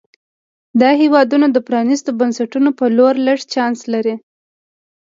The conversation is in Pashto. دا هېوادونه د پرانیستو بنسټونو په لور لږ چانس لري.